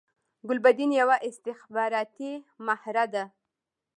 ګلبدین یوه استخباراتی مهره ده